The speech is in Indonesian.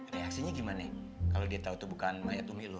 terus reaksinya gimana kalau dia tahu itu bukan mayat umi lo